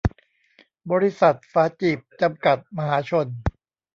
บริษัท ฝาจีบ จำกัด มหาชน